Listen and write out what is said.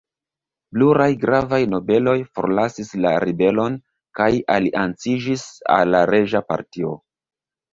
Pluraj gravaj nobeloj forlasis la ribelon kaj alianciĝis al la reĝa partio.